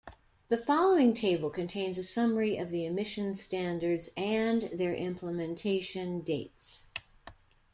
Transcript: The following table contains a summary of the emission standards and their implementation dates.